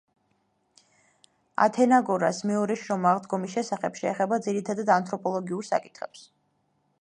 ათენაგორას მეორე შრომა „აღდგომის შესახებ“ შეეხება ძირითადად ანთროპოლოგიურ საკითხებს.